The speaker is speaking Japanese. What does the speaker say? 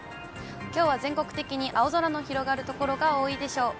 きょうは全国的に青空の広がる所が多いでしょう。